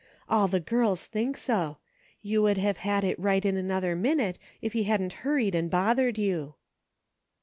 All the girls think so. You would have had it right in another minute if he hadn't hurried and bothered you."